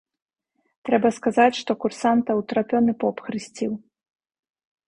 Трэба сказаць, што курсанта ўтрапёны поп хрысціў.